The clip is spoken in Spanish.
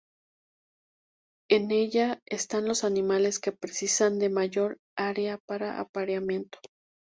En ella están los animales que precisan de mayor área para apareamiento.